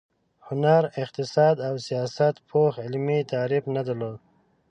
هنر، اقتصاد او سیاست پوخ علمي تعریف نه درلود.